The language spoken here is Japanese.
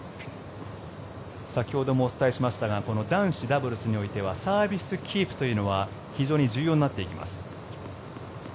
先ほどもお伝えしましたが男子ダブルスにおいてはサービスキープというのは非常に重要になっていきます。